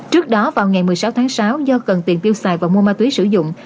trước đó vào ngày một mươi sáu tháng sáu do cần tiền tiêu xài và mua ma túy sử dụng